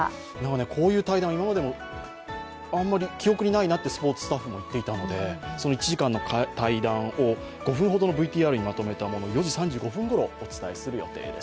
こういう対談、今までも記憶にないなとスポーツスタッフも言ってたので１時間の対談を５分ほどのＶＴＲにまとめたものを４時３５分ごろお伝えする予定です。